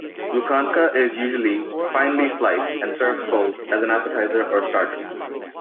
Lukanka is usually finely sliced and served cold as an appetizer or starter.